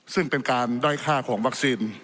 ซึ่งเป็นการด้อยค่าของวัคซีน